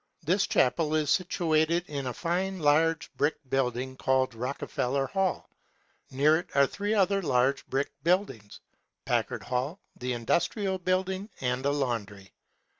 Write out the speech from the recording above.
This chapel is situated in a fine large brick building called Rockefeller Hall. Near it are three other large brick buildings, Packard Hall, the Industrial Building, and a laundry.